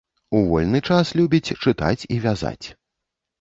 У вольны час любіць чытаць і вязаць.